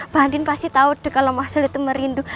bandin pasti tau deh kalau masa itu merindu